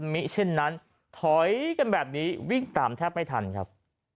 มิเช่นนั้นถอยกันแบบนี้วิ่งตามแทบไม่ทันครับ